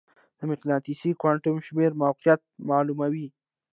د مقناطیسي کوانټم شمېره موقعیت معلوموي.